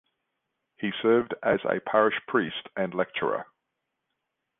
He served asa parish priest and lecturer.